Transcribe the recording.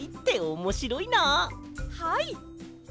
はい。